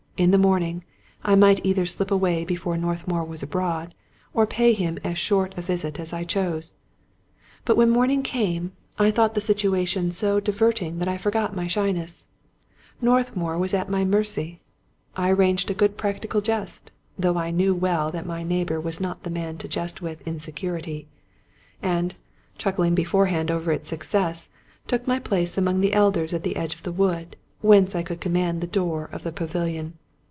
In the morning, I might either slip away before Northmour was abroad, or pay him as short a visit as I chose. But when morning came, I thought the situation so di 159 Scotch Mystery Stories verting that I forgot my shyness, Northmour was at my mercy ; I arranged a good practical jest, though I knew well that my neighbor was not the man to jest with in security ; and, chuckling beforehand over its success, took my place among the elders at the edge of the wood, whence I could command the door of the pavilion.